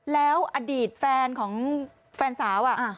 แล้วอดีตแฟนของแฟนสาว